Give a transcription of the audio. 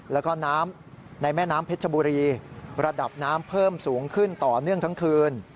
แล้วก็น้ำในแม่น้ำเพชรบุรีระดับน้ำเพิ่มสูงขึ้นต่อเนื่องทั้งคืน